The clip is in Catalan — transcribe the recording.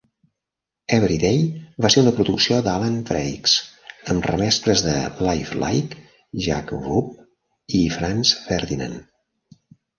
"Everyday" va ser una producció d'Alan Braxe amb remescles de LifeLike, Jakwob, i Franz Ferdinand.